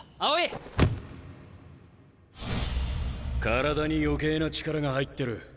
体に余計な力が入ってる。